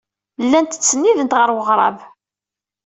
Llant ttsennident ɣer weɣrab.